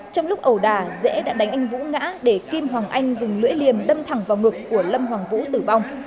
trong lúc ẩu đà rễ đã đánh anh vũ ngã để kim hoàng anh dùng lưỡi liềm đâm thẳng vào ngực của lâm hoàng vũ tử vong